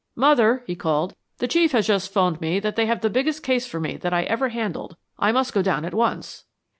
"Mother," he called. "The Chief has just 'phoned me that they have the biggest case for me that I ever handled. I must go down at once."